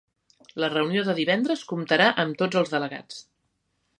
La reunió de divendres comptarà amb tots els delegats